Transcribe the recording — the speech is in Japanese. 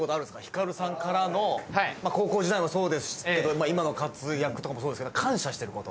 光さんからの高校時代もそうですけど今の活躍とかもそうですけど感謝してる事。